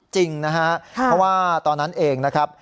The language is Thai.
จริงนะฮะเพราะว่าตอนนั้นเองนะครับ